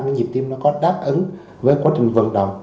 nhiệm tim nó có đáp ứng với quá trình vận động